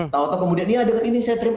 tau tau kemudian ya dengan ini saya trip